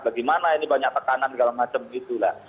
bagaimana ini banyak tekanan segala macam itulah